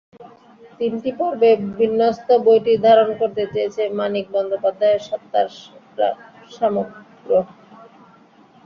তিনটি পর্বে বিন্যস্ত বইটি ধারণ করতে চেয়েছে মানিক বন্দ্যোপাধ্যায়ের সত্তার সামগ্র্য।